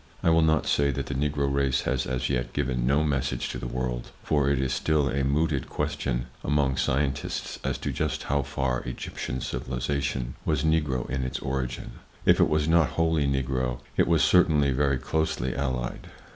I will not say that the Negro race has as yet given no message to the world, for it is still a mooted question among scientists as to just how far Egyptian civilization was Negro in its origin; if it was not wholly Negro, it was certainly very closely allied.